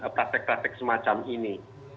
praktek praktek semacam ini